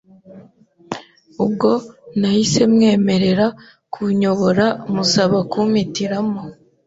ubwo nahise mwemerera kunyobora musaba kumpitiramo